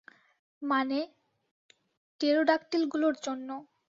মানে, টেরোডাক্টিল গুলোর জন্য।